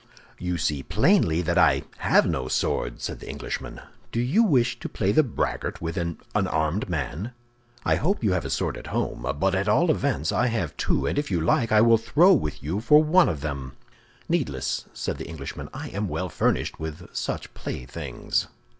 "You see plainly that I have no sword," said the Englishman. "Do you wish to play the braggart with an unarmed man?" "I hope you have a sword at home; but at all events, I have two, and if you like, I will throw with you for one of them." "Needless," said the Englishman; "I am well furnished with such playthings."